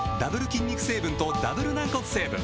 筋肉成分とダブル軟骨成分